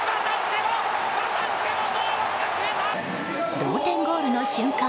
同点ゴールの瞬間